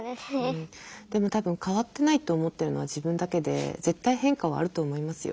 でも多分変わってないと思ってるのは自分だけで絶対変化はあると思いますよ。